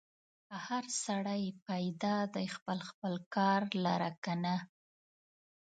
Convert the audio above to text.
هر سړی پیدا دی خپل خپل کار لره کنه.